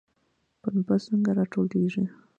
پنبه څنګه راټولیږي؟